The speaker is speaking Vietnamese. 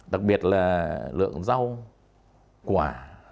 đặc biệt là lượng rau quả